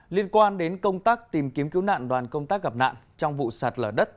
liên quan đến công tác tìm kiếm cứu nạn đoàn công tác gặp nạn trong vụ sạt lở đất